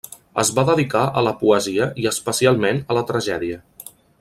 Es va dedicar a la poesia i especialment a la tragèdia.